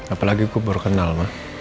apalagi gue baru kenal mak